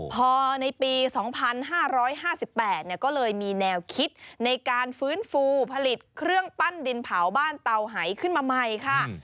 พอในปี๒๕๕๘ก็เลยมีแนวคิดในการฟื้นฟูผลิตเครื่องปั้นดินเผาบ้านเตาหายขึ้นมาใหม่ค่ะ